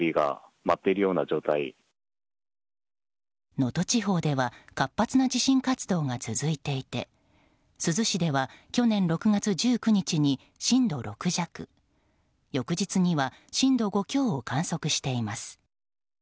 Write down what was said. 能登地方では活発な地震活動が続いていて珠洲市では去年６月１９日に震度６弱翌日には震度５強を観測しています。